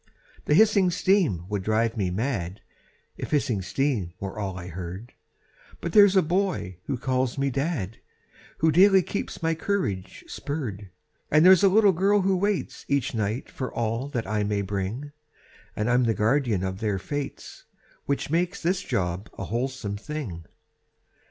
The hissing steam would drive me mad If hissing steam was all I heard; But there's a boy who calls me dad Who daily keeps my courage spurred; And there's a little girl who waits Each night for all that I may bring, And I'm the guardian of their fates, Which makes this job a wholesome thing.